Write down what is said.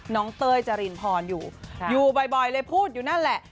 เต้ยจรินพรอยู่อยู่บ่อยเลยพูดอยู่นั่นแหละ